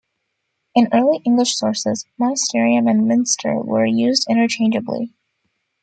In early English sources, "monasterium" and "mynster" were used interchangeably.